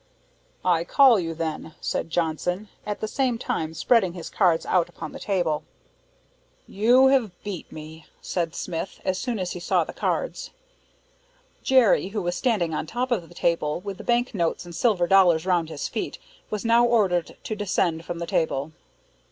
"I call you, then," said Johnson, at the same time spreading his cards out upon the table. "You have beat me," said Smith, as soon as he saw the cards. Jerry, who was standing on top of the table, with the bank notes and silver dollars round his feet, was now ordered to descend from the table.